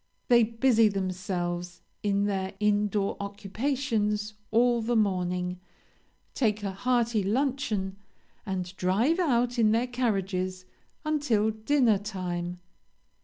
They busy themselves, in their in door occupations all the morning, take a hearty luncheon, and drive out in their carriages until dinner time.